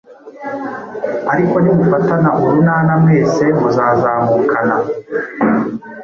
Ariko nimufatana urunana, mwese muzazamukana